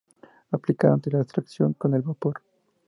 Aplicar antes de la extracción, con el vapor.